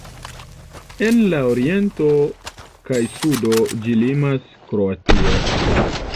En la oriento kaj sudo ĝi limas Kroatio.